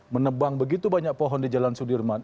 menebang begitu banyak pohon di jalan sudirman